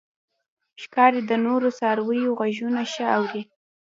ښکاري د نورو څارویو غږونه ښه اوري.